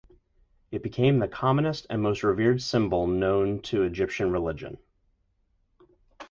It became the commonest and most revered symbol known to Egyptian religion.